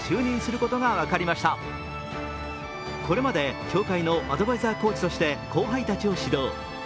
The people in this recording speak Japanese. これまで協会のアドバイザーコーチとして後輩たちを指導。